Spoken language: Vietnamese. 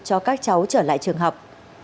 cho các cháu trở lại trường học